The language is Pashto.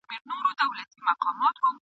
څنګه پردی سوم له هغي خاوري ..